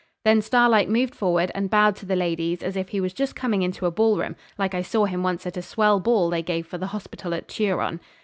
Then Starlight moved forward and bowed to the ladies as if he was just coming into a ballroom, like I saw him once at a swell ball they gave for the hospital at Turon.